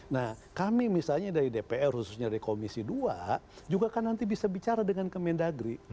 nah kami misalnya dari dpr khususnya dari komisi dua juga kan nanti bisa bicara dengan kemendagri